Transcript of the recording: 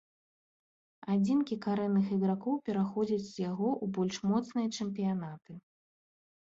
Адзінкі карэнных ігракоў пераходзяць з яго ў больш моцныя чэмпіянаты.